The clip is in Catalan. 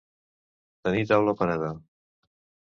Tenir taula parada.